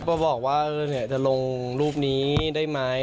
ก็บอกว่าจะลงรูปนี้ได้ไหม